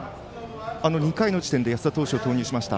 ２回の時点で安田投手を投入しました。